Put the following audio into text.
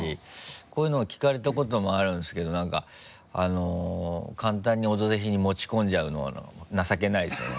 こういうのを聞かれたこともあるんですけど何か簡単に「オドぜひ」に持ち込んじゃうのは情けないですよね